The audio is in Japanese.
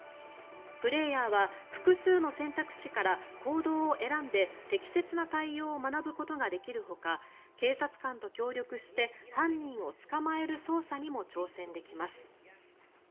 プレーヤーは複数の選択肢から行動を選んで適切な対応を学ぶことができるほか警察官と協力して犯人を捕まえる捜査にも挑戦できます。